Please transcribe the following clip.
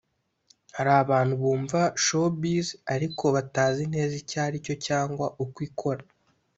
Hari abantu bumva showbiz ariko batazi neza icyo ari cyo cyangwa uko ikora